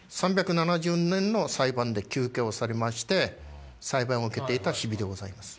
３７０年の裁判で求刑をされまして裁判を受けていた日々でございます。